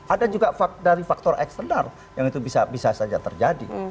ada juga dari faktor eksternal yang itu bisa saja terjadi